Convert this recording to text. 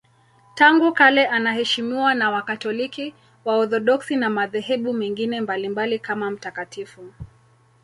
Tangu kale anaheshimiwa na Wakatoliki, Waorthodoksi na madhehebu mengine mbalimbali kama mtakatifu.